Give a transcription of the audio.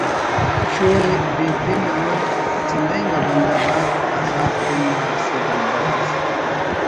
شو‘ ءِ ’بے پن آن زندہ انگا بندغ آک‘ ’ہزار پن نا اسہ بندغ اس‘